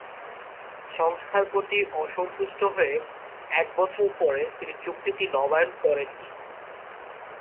সংস্থার প্রতি অসন্তুষ্ট হয়ে এক বছর পরে তিনি চুক্তিটি নবায়ন করেন নি।